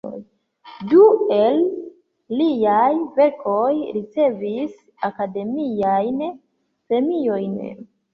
Du el liaj verkoj ricevis akademiajn premiojn.